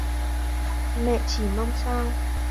Mẹ chỉ mong sao